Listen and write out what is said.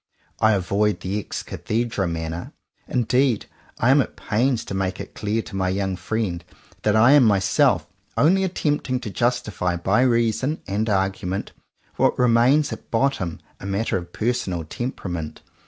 I avoid the ex cathedra manner. Indeed I am at pains to make it clear to my young friend that I am myself only attempting to justify by reason and argument what re mains at bottom a matter of personal temperament.